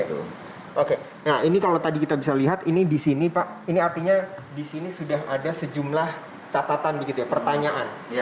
nah ini kalau tadi kita bisa lihat ini di sini pak ini artinya di sini sudah ada sejumlah catatan begitu ya pertanyaan